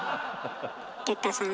哲太さん